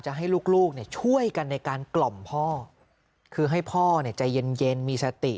ให้ลูกช่วยกันในการกล่อมพ่อคือให้พ่อเนี่ยใจเย็นมีสติ